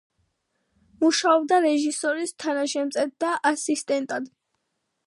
მუშაობდა რეჟისორის თანაშემწედ და ასისტენტად.